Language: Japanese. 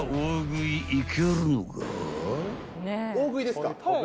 大食いですか？